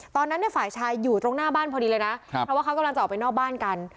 ตอนนั้นเนี่ยฝ่ายชายอยู่ตรงหน้าบ้านพอดีเลยนะเพราะว่าเขากำลังจะออกไปนอกบ้านกัน